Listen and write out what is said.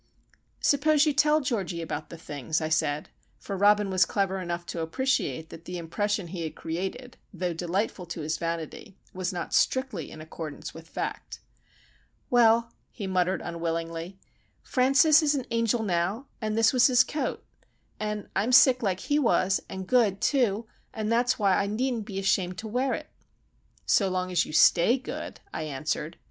"Suppose you tell Georgie about the things," I said,—for Robin was clever enough to appreciate that the impression he had created, though delightful to his vanity, was not strictly in accordance with fact. "Well," he muttered, unwillingly, "Francis is an angel now, and this was his coat. And I'm sick like he was, and good, too, and that's why I needn't be ashamed to wear it." "So long as you stay good," I answered.